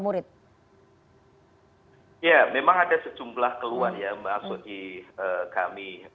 memang ada sejumlah keluhan ya mbak suji kami